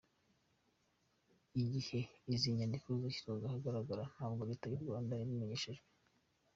Igihe izi nyandiko zashyirwaga ahagaragara ntabwo Leta y’u Rwanda yabimenyeshejwe.